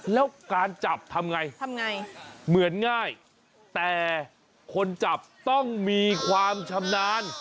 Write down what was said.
แล้วการจับทำไงทำไงเหมือนง่ายแต่คนจับต้องมีความชำนาญ